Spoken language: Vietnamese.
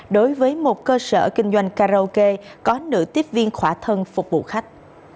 đối với một cơ sở kinh doanh karaoke có nữ tiếp viên khỏa thân phục vụ khách